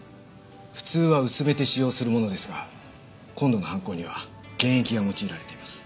普通は薄めて使用するものですが今度の犯行には原液が用いられています。